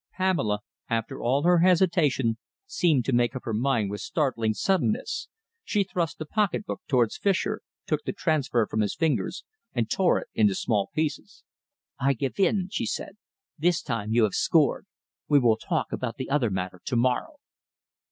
Pamela, after all her hesitation, seemed to make up her mind with startling suddenness. She thrust the pocketbook towards Fischer, took the transfer from his fingers and tore it into small pieces. "I give in," she said. "This time you have scored. We will talk about the other matter tomorrow."